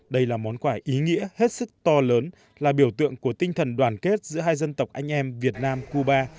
đây là món quà ý nghĩa hết sức to lớn là biểu tượng của tinh thần đoàn kết giữa hai dân tộc anh em việt nam cuba